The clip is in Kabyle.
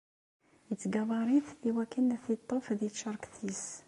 Ittgabar-it iwakken ad t-iṭṭef di tcerket-is.